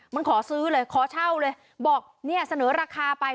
มันขอซื้อเลยขอเช่าเลยบอกเนี่ยเสนอราคาไป